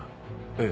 ええ。